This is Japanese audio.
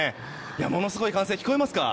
ものすごい歓声、聞こえますか？